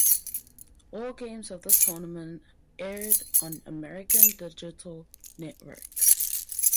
All games of the tournament aired on American Digital Network.